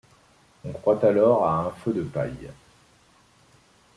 On croit alors à un feu de paille.